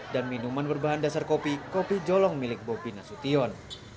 dan minuman berbahan dasar kopi kopi jolong milik bobi nasution